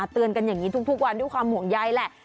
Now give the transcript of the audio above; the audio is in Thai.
เตือนกันอย่างนี้ทุกวันด้วยความห่วงใยแหละ